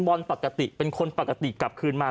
บอลปกติเป็นคนปกติกลับคืนมา